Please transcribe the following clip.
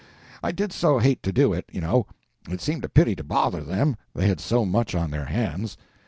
I did so hate to do it, you know; it seemed a pity to bother them, they had so much on their hands.